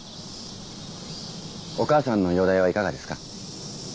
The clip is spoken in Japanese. お母さんの容体はいかがですか？